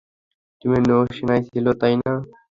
তুমিও নৌ-সেনায় ছিলে, তাই না?